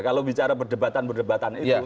kalau bicara perdebatan perdebatan itu